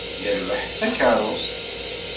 Yerbeḥ-d takeṛṛust.